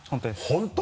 本当？